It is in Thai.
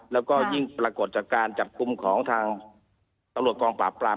แล้วก็ยิ่งปรากฏจากการจับกลุ่มของทางตำรวจกองปราบปราม